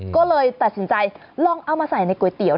ก็เลยตัดสินใจลองเอามาใส่ในก๋วยเตี๋ย